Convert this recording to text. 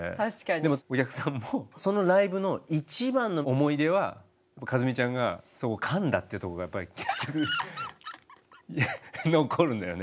でもお客さんもそのライブの一番の思い出は一実ちゃんがそこかんだっていうとこがやっぱり結局残るんだよね。